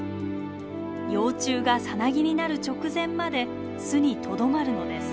幼虫がさなぎになる直前まで巣にとどまるのです。